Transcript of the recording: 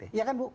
iya kan bu